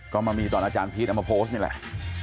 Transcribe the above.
ก็มามีตอนอาจารย์พีชเอามาโพสต์นี่แหละ